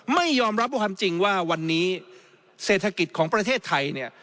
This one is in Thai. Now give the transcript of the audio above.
ไม่ยอมรับว่าความจริงว่าวันนี้เศรษฐกิจของประเทศไทยเนี่ย